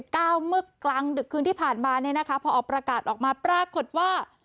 เมื่อกลางดึกคืนที่ผ่านมาเนี่ยนะคะพอออกประกาศออกมาปรากฏว่า